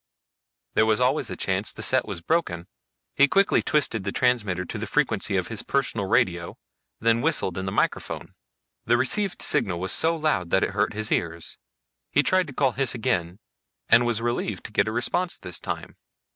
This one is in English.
There was always a chance the set was broken. He quickly twisted the transmitter to the frequency of his personal radio, then whistled in the microphone. The received signal was so loud that it hurt his ears. He tried to call Hys again, and was relieved to get a response this time.